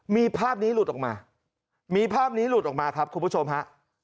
มีภาพนี้หลุดออกมามีภาพนี้หลุดออกมาครับคุณผู้ชมฮะ